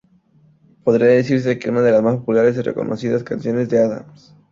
Podría decirse que una de las más populares y reconocidas canciones de Adams.